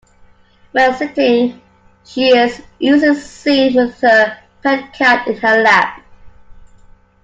When sitting, she is usually seen with her pet cat in her lap.